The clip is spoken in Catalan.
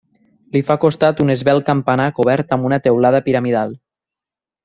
Li fa costat un esvelt campanar cobert amb una teulada piramidal.